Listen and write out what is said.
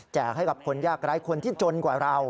ให้กับคนยากไร้คนที่จนกว่าเรา